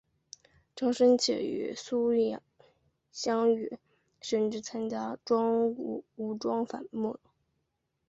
张深切与苏芗雨甚至参加武装反日。